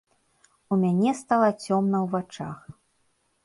У мяне стала цёмна ў вачах.